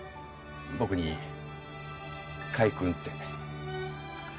僕に「甲斐くん」って。